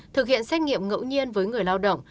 thực hiện xét nghiệm ngẫu nhiên với người lao động